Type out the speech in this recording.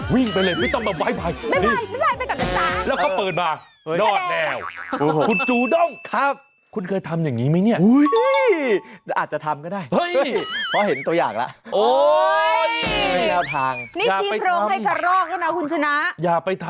วิ่งไปเลยไม่ต้องเอาไว้